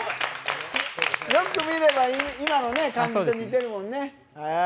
よく見れば今の感じと似ているもんね。